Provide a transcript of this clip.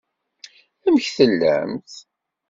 Amek tellamt?